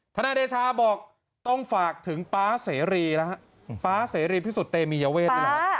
ทนายเดชาบอกต้องฝากถึงป๊าเสรีพิสุทธิ์เตมีเยาเวท